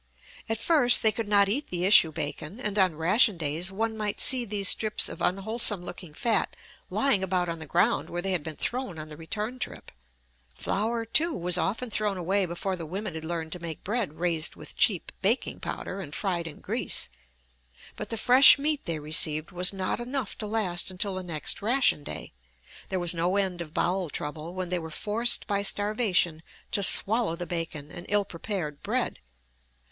At first they could not eat the issue bacon, and on ration days one might see these strips of unwholesome looking fat lying about on the ground where they had been thrown on the return trip. Flour, too, was often thrown away before the women had learned to make bread raised with cheap baking powder and fried in grease. But the fresh meat they received was not enough to last until the next ration day. There was no end of bowel trouble when they were forced by starvation to swallow the bacon and ill prepared bread.